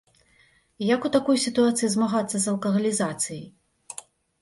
І як у такой сітуацыі змагацца з алкагалізацыяй?